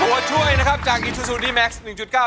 ตัวช่วยนะครับจากอีซูซูดีแม็กซ์หนึ่งจุดเก้า